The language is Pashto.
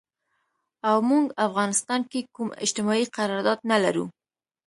او مونږ افغانستان کې کوم اجتماعي قرارداد نه لرو